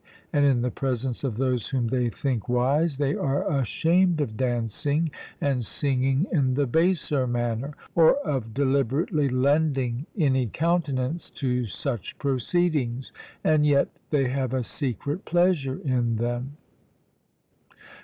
And in the presence of those whom they think wise, they are ashamed of dancing and singing in the baser manner, or of deliberately lending any countenance to such proceedings; and yet, they have a secret pleasure in them.